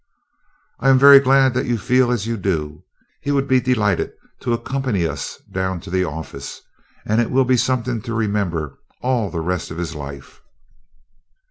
"I am very glad that you feel as you do. He would be delighted to accompany us down to the office, and it will be something to remember all the rest of his life."